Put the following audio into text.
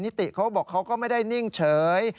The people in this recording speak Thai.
ติเขาบอกเขาก็ไม่ได้นิ่งเฉย